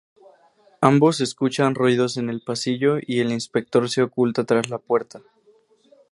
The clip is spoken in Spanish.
Ambos escuchan ruidos en el pasillo y el inspector se oculta tras la puerta.